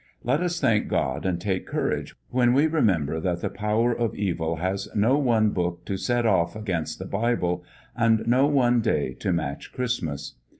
Let us thank God and take courage when we remember that the Power of Evil has no one Book to set off against the Bible, and no one day to match Christmas.